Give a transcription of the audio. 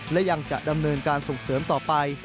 และยังจะดำเนินการส่งเสริมต่อไป